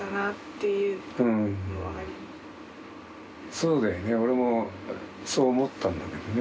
そうだよね俺もそう思ったんだけどね。